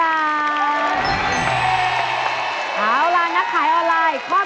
เอาล่ะนักขายออนไลน์